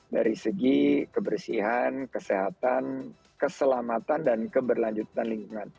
dari segi kebersihan kesehatan keselamatan dan keberlanjutan lingkungan